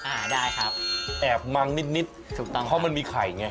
อ่าได้ครับแอบมังนิดนิดถูกต้องเพราะมันมีไข่ไง